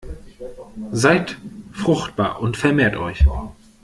Seid fruchtbar und vermehrt euch!